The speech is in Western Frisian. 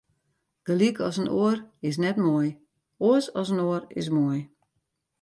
Gelyk as in oar is net moai, oars as in oar is moai.